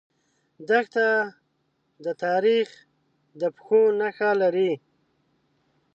دښته د تاریخ د پښو نخښه لري.